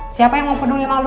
siapa yang peduli sama lu